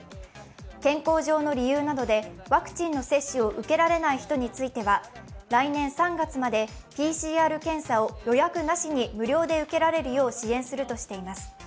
健康上の理由などでワクチンの接種を受けられない人については来年３月までＰＣＲ検査を予約なしに無料で受けられるよう支援するとしています。